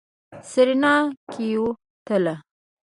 سېرېنا کېوتله.